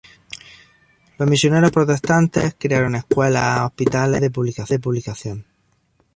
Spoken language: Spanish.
Los misioneros protestantes crearon escuelas, hospitales y agencias de publicación.